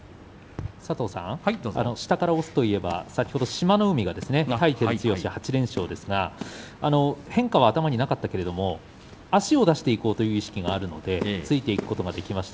下から押すといえば先ほど志摩ノ海が対照強８連勝ですが変化は頭になかったけれども足を出していこうという意識があったのでついていくことができた。